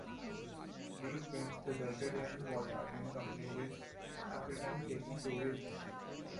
Weak winds resulted in the voyage, in company with "Africaine", taking two weeks.